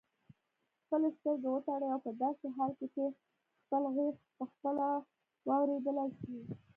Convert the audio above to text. خپلې سترګې وتړئ او په داسې حال کې چې خپل غږ پخپله واورېدلای شئ.